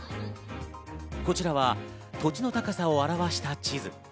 こちらは土地の高さを表した地図。